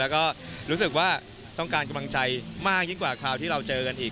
แล้วก็รู้สึกว่าต้องการกำลังใจมากยิ่งกว่าคราวที่เราเจอกันอีก